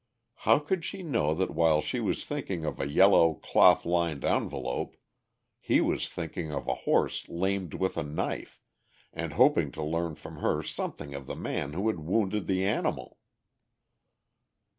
How could she know that while she was thinking of a yellow, cloth lined envelope, he was thinking of a horse lamed with a knife, and hoping to learn from her something of the man who had wounded the animal?